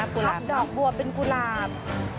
พับดอกบัวเป็นกุหลาบ